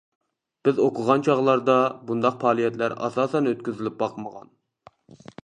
بىز ئوقۇغان چاغلاردا، بۇنداق پائالىيەتلەر ئاساسەن ئۆتكۈزۈلۈپ باقمىغان.